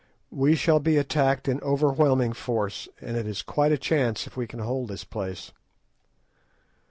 We shall be attacked in overwhelming force, and it is quite a chance if we can hold this place."